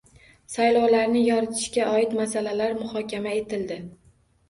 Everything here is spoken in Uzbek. Saylovlarni yoritishga oid masalalar muhokama etildi